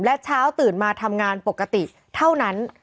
และเช้าตื่นมาทำงานปกติเท่านั้น